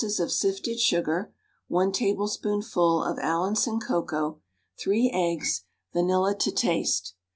of sifted sugar, 1 tablespoonful of Allinson cocoa, 3 eggs, vanilla to taste.